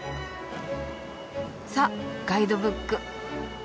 さっガイドブック。